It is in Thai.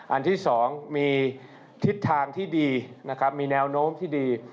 อันที่๒มีทิศทางที่ดีนะครับมีแนวโน้มที่ดี